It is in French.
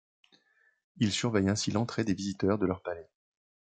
Ils surveillent ainsi l'entrée des visiteurs de leur palais.